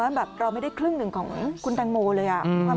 แบบเราไม่ได้ครึ่งหนึ่งของคุณแตงโมเลย